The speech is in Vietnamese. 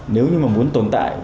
nếu như muốn tồn tại